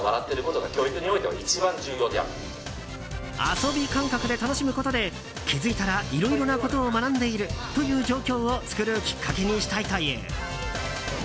遊び感覚で楽しむことで気づいたら、いろいろなことを学んでいるという状況を作るきっかけにしたいという。